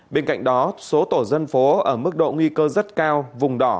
bên cạnh đó số tổ dân phố ở mức độ nguy cơ rất cao vùng đỏ